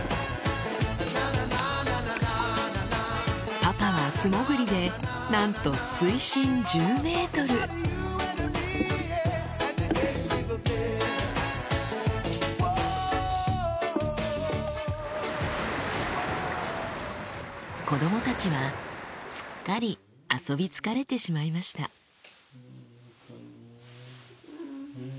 パパは素潜りでなんと水深１０ｍ子供たちはすっかり遊び疲れてしまいましたん。